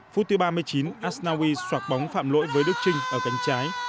phút thứ ba mươi chín asnawi soạt bóng phạm lỗi với đức trinh ở cánh trái